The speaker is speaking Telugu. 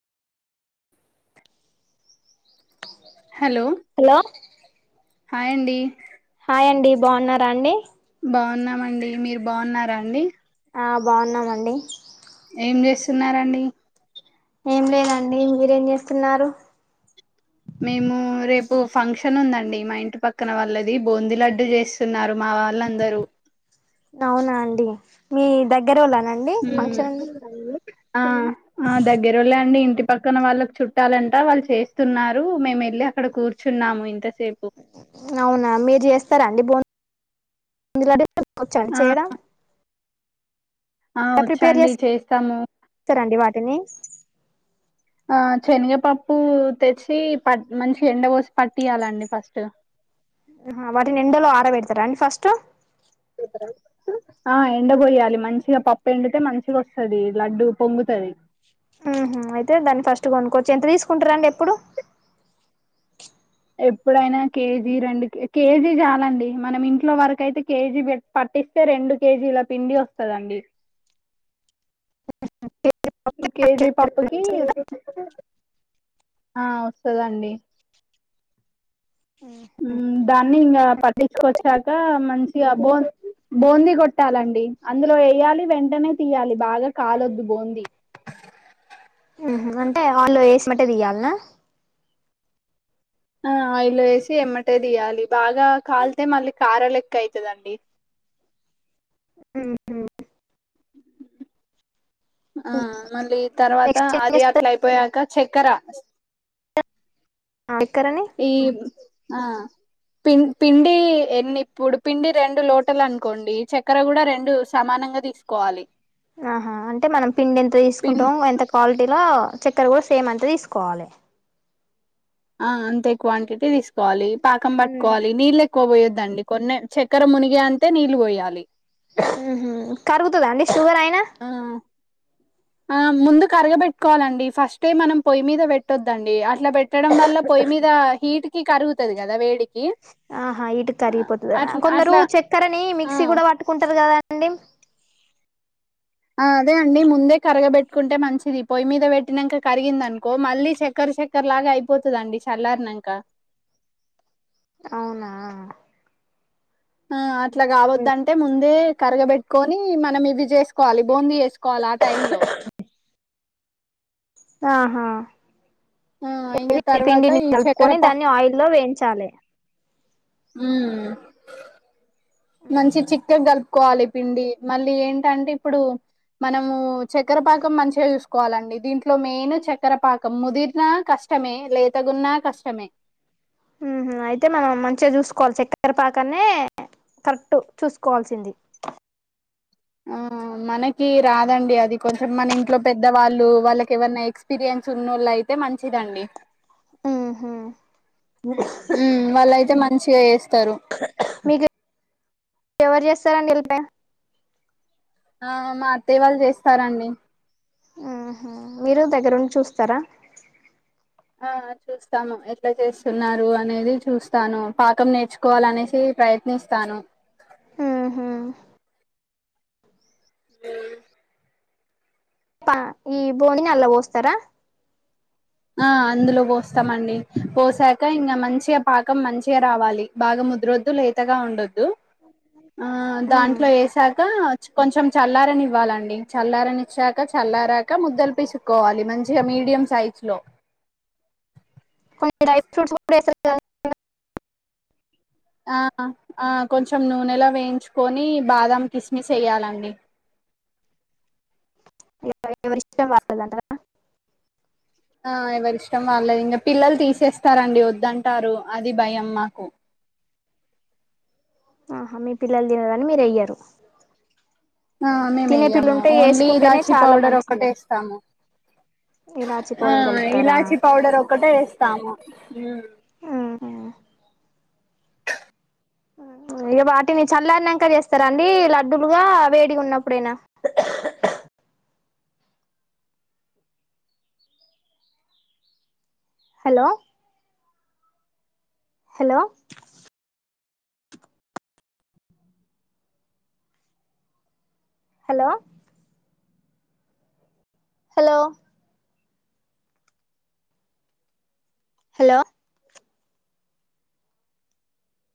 హలో హాయి హలో అండి హాయ్ అండి బాగున్నారా అండి బాగున్నామండి మీరు బాగున్నారా అండి బాగున్నామండి ఏం చేస్తున్నండి ఏం లేనండి మీరేం చేస్తున్నారు మేము రేపు ఫంక్షన్ ఉందండి మా ఇంటి పక్కన వాళ్లది బోందీ లడ్డు చేస్తున్నారు మా వాళ్ళందరూ అవునా అండి మీ దగ్గర వాళ్ళనండి మ్మ్ ఫంక్షన్ [inaudible] ఆ దగ్గరళ అండి ఇంటి పక్కన వాళ్ళకి చుట్టాలంట వాళ్ళు చేస్తున్నారు మేము వెళ్ళి అక్కడ కూర్చున్నాము ఇంత అవునా మీరు చేస్తారా అండి బో ఇందుడి వచండి ఆ చేయడా ఆ వచ్చాండి చేస్తాము అని ఆ శనగపప్పు తెచ్చి పట్ మంచి ఎండ కోసి పట్టియాలండి ఫస్ట్ వాటిని ఎండలో ఆరబడతారా అండి ఫస్ట్ ఆ ఎండ పోయాలి మంచిగా పప్పు ఎండితే మంచిగా వస్తుది లడ్డు పొంగుతుంది అయితే దాన్ని ఫస్ట్ కొనుక్కోవచ్చు ఎంత తీసుకుంటారు అండి ఎప్పుడు ఎప్పుడైనా కేజీ రెండు కేజీ చాలండి మనం ఇంట్లో వరక అయితే కేజీ పట్టిస్తే రెండు కేజీల పిండి వస్తుందండి కేజీ పాప్పుకి ఆ వస్తుదాండి ఆ దాన్ని ఇంకా పట్టించుకొచ్చాక మంచిగా బో బూందీ కొట్టాలండి అందులో వేయాలి వెంటనే తీయాలి బాగా కాలొద్దు బూందీ హు హు అంటే వాళ్ళు వేసినట్టే తియ్యాలనా ఆ ఆయిల్ వేసి ఎమ్మటే తీయాలి బాగా కాలితే మళ్ళీ కార లేక్క అయితదండి ఉహు, ఆ మళ్ళీ తర్వాత నెక్స్ట్ ఏం అది అట్ల అయిపోయాక చెక్కరా ఆ ఈ ఆ పిం పిండి ఎన్ని ఇప్పుడు పిండి రెండు లోటలు అనుకోండి చక్కెర కూడా రెండు సమానంగా తీసుకోవాలి ఆహా అంటే మనం పిండి ఎంత పిం తీసుకుంటామో ఎంత క్వాలిటీలో చక్కెర కూడా సేమ్ అంతా తీసుకోవాలి ఆ అంతే క్వాంటిటీ తీసు వాలీ పాకం పట్కోవాలి నీళ్లే క్కువఓయద్దండి కొన్నే చక్కెర మునిగే అంతే నీళ్ళు పోయాలి ఉహూ కరుగుతదా అండి షుగర్ అయినా ఆ ఆ ముందు కరగబెట్టుకోవాలండి ఫస్టే మనం పొయ్యి మీద పెట్టొద్దండి అ ఇట్లా పెట్టడం వల్ల పొయ్యి మీద హీట్ కి కరుగుతుది ఆహా హీటికి కరిగిపోతుదా అట్లా కొందరు అట్లా చక్కెరని ఆ మిక్సీ కూడా పట్టుకుంటారు కదా అండి ఆ అదే అండి ముందే కరగబెట్టుకుంటే మంచిది పొయ్యి మీద పెట్టినాక కరిగిందనుకో మళ్ళీ చక్కెర చక్కెర లాగా అయిపోతుందండి చల్లారనాక అవునా ఆ అట్లా కావద్దంటే ముందు అదే కరగబెట్టుకొని మనం ఇవి చేసుకోవాలి బూందీ చేసుకోవాలి ఆ టైమ్ లో ఆహా ఆ ఇంగ ఏ తర్వాత పిండిని కలుపుకొని దాన్ని ఆయిల్ల్లో వేయించాలి ఉ మంచి చిక్కగా కలుపుకోవాలి పిండి మళ్ళీ ఏంటంటే ఇప్పుడు మనము చక్కెరపాకం మంచిగా చూసుకోవాలండి దీంట్లో మెయిన్ చక్కెర పాకం ముదిరినా కష్టమే లేతగున్నా కష్టమే ఉహూ అయితే మనం మంచిగా చూసుకోవాలి చక్కరపాకానే కరెక్ట్ చూసుకోవాల్సింది ఆ మనకి రాదండి అది కొంచెం మన ఇంట్లో పెద్దవాళ్ళు వాళ్ళకి ఎవనా ఎక్స్పీరియన్స్ ఉన్నోళ్ళు అయితే మంచిదండి ఉహూ [unintelligible] వస్తారు మీకు ఎవరు చేస్తారండి నిలిపెయ్యి ఆ మా అత్తయ్య వాళ్ళు చేస్తారండి ఉహూ మీరు దగ్గరుండి చూస్తారా ఆ చూస్తాను ఎట్లా చేస్తున్నారు అనేది చూస్తాను పాకం నేర్చుకోవాలనేసి ప్రయత్నిస్తాను ఉహూ ఉమ్ ప్ప ఈ బోనీనీ అందులో పోస్తారా ఆ అందులో పోస్తామండి పోసాక ఇంగ మంచిగా పాకం మంచిగా రావాలి బాగా ముదురొద్దు లేతగా ఉండొ ఒద్దు ఆ దాంట్లో ఏసా కా కొంచెం చల్లార నివ్వాలండి చల్లారని ఇచ్చాక చల్లారాక ముద్దలు పిసుక్కోవాలి మంచిగా మీడియం సైజ్ లో కొన్ని డ్రై ఫ్రూట్స్ కూడా యస్తారు ఆ ఆ కొంచెం నూనెలో వేయించుకొని బాదం కిస్మిస్ ఎయ్యాలండి ఇ ఎవరిష్టం వాళ్ళదంట కదా ఆ ఇంకా పిల్లలు తీసేస్తారండి వద్దంటారు అది భయం మాకు ఆహా మీ పిల్లలు తినరని మీరు ఎయ్యారు ఆ మేము తినే పిల్లలు వెయ్యాము ఉంటే ఓన్లీ వేసుకుంటేనే ఇలాచి చాలా పౌడర్ మంచిది ఒకటే ఎస్తాము ఇలాచి పౌడర్ కలుపుతారా ఇలాచి పౌడర్ ఒక్ ఒక్కటే వేస్తాము మ్మ్ ఆ ఇక వాటిని చల్లారినాక చేస్తారా అండి లడ్డులుగా వేడిగా ఉన్నప్పుడేనా hello hello hello hello hello